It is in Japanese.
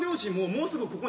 もう。